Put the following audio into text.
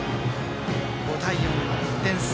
５対４、１点差。